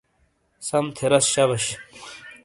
سم تھے رس شبش!